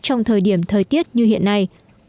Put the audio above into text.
trong thời điểm thời tiết như hiện nay